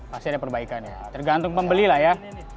pasti ada perbaikan ya tergantung pembeli lah ya